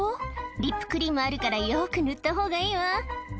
「リップクリームあるからよく塗ったほうがいいわ」